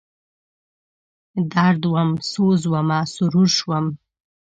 درد وم، سوز ومه، سرور شوم